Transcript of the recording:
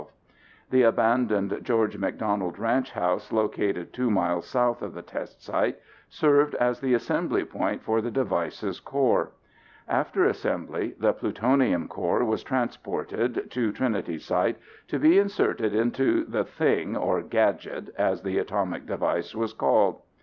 The abandoned George McDonald ranch house located two miles south of the test site served as the assembly point for the device's core. After assembly, the plutonium core was transported to Trinity Site to be inserted into the thing or gadget as the atomic device was called.